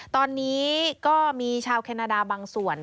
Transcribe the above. ตอนนี้ก็มีชาวแคนาดาบางส่วน